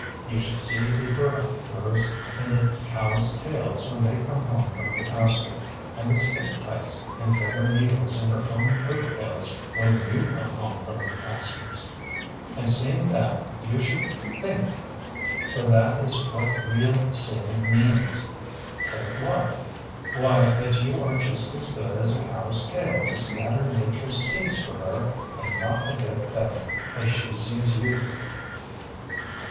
You should see the burdock burs in the cows’ tails when they come home from the pasture, and the stick tights and beggar needles in your own coat tails when you come home from the pastures. And seeing that, you should think for that is what real seeing means. Think what? Why, that you are just as good as a cow’s tail to scatter Nature’s seeds for her, and not a bit better, as she sees you.